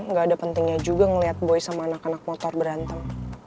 nggak ada pentingnya juga ngeliat boy sama anak anak motor berantem